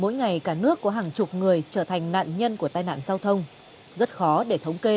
mỗi ngày cả nước có hàng chục người trở thành nạn nhân của tai nạn giao thông rất khó để thống kê